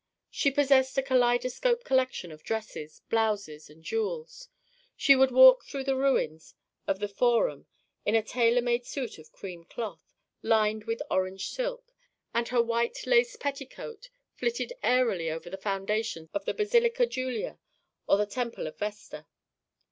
She possessed a kaleidoscopic collection of dresses, blouses and jewels. She would walk through the ruins of the Forum in a tailor made suit of cream cloth, lined with orange silk; and her white lace petticoat flitted airily over the foundations of the Basilica Julia or the Temple of Vesta.